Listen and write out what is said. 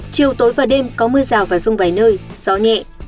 chiều tối và đêm có mưa rào và rông vài nơi gió nhẹ